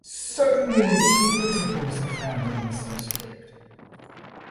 So many Shiva temples are found in this district.